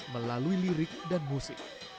melalui lirik dan musik